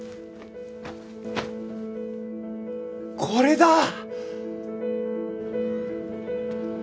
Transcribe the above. これだ！